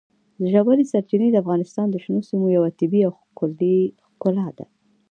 ژورې سرچینې د افغانستان د شنو سیمو یوه طبیعي او ښکلې ښکلا ده.